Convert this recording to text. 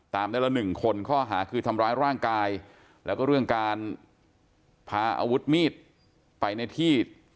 ได้ละหนึ่งคนข้อหาคือทำร้ายร่างกายแล้วก็เรื่องการพาอาวุธมีดไปในที่